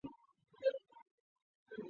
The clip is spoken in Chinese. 于唐奥方。